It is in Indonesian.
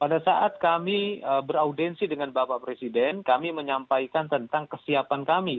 pada saat kami beraudensi dengan bapak presiden kami menyampaikan tentang kesiapan kami